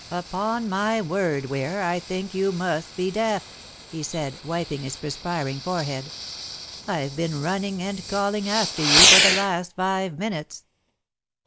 "Upon my word, Ware, I think you must be deaf," he said, wiping his perspiring forehead. "I've been running and calling after you for the last five minutes."